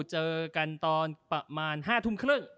เจอกันตอนประมาณ๕ทุ่มครึ่ง